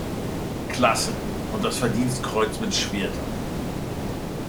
Klasse und das Kriegsverdienstkreuz mit Schwertern.